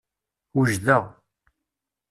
Wejdeɣ.